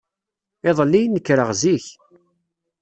Iḍelli, nekreɣ zik.